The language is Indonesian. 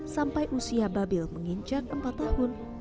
sampai usia babil menginjak empat tahun